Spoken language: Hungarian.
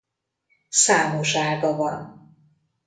Számos ága van.